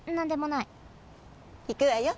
いくわよ。